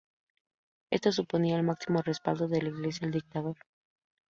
Esto suponía el máximo respaldo de la Iglesia al dictador.